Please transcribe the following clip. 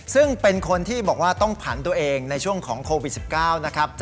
ซึ่งเป็นคนที่บอกว่าต้องผันตัวเองในช่วงของโควิด๑๙นะครับ